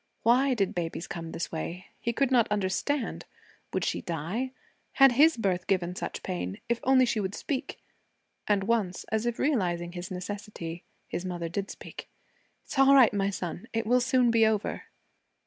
Why did babies come this way? He could not understand. Would she die? Had his birth given such pain? If only she would speak! And once, as if realizing his necessity, his mother did speak. 'It's all right, my son; it will soon be over.'